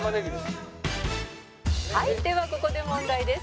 「はいではここで問題です」